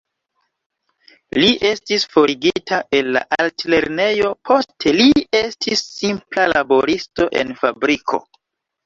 Li estis forigita el la altlernejo, poste li estis simpla laboristo en fabriko.